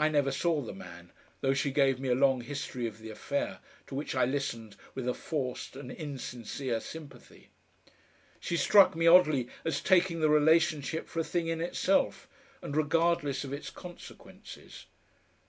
I never saw the man, though she gave me a long history of the affair, to which I listened with a forced and insincere sympathy. She struck me oddly as taking the relationship for a thing in itself, and regardless of its consequences.